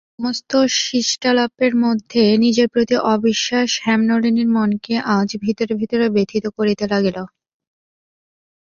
সমস্ত শিষ্টালাপের মধ্যে নিজের প্রতি অবিশ্বাস হেমনলিনীর মনকে আজ ভিতরে ভিতরে ব্যথিত করিতে লাগিল।